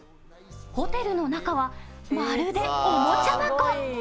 ホテルの中はまるでおもちゃ箱。